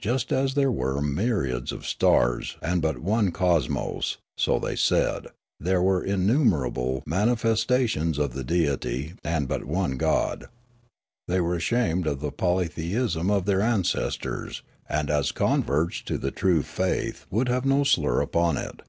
Just as there were myriads of stars and but one cosmos, so, they said, there were innumer able manifestations of the deity and but one god. They were ashamed of the polytheism of their ancestors, and as converts to the true faith would have no slur upon it.